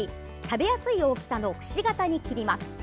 食べやすい大きさのくし形に切ります。